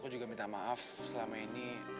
aku juga minta maaf selama ini